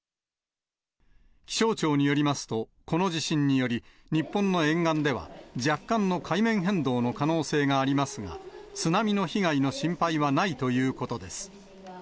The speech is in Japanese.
気象庁によりますと、この地震により、日本の沿岸では、若干の海面変動の可能性がありますが、津波の被害の心配はないということです。